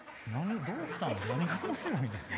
どうしたん？